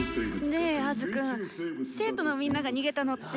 ねえアズくん生徒のみんなが逃げたのって。